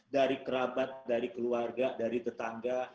dari kerabat dari keluarga dari tetangga